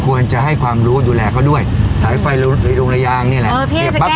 ควรจะให้ความรู้ดูแลเขาด้วยสายไฟลงระยางเนี้ยแหละเออ